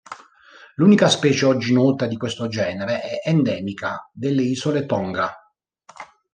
L'unica specie oggi nota di questo genere è endemica delle isole Tonga.